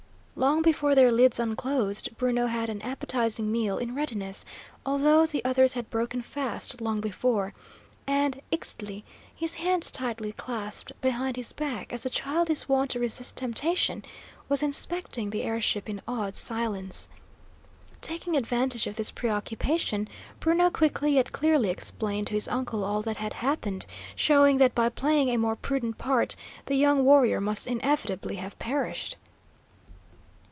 Long before their lids unclosed, Bruno had an appetising meal in readiness, although the others had broken fast long before, and Ixtli, his hands tightly clasped behind his back, as a child is wont to resist temptation, was inspecting the air ship in awed silence. Taking advantage of this preoccupation, Bruno quickly yet clearly explained to his uncle all that had happened, showing that by playing a more prudent part the young warrior must inevitably have perished.